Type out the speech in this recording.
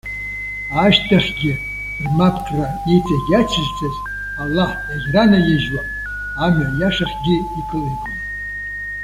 Ашьҭахьгьы рмапкра иҵегьы иацызҵаз, Аллаҳ иагьранаижьуам, амҩа иашахьгьы икылигом.